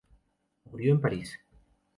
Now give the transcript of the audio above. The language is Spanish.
Murió en París.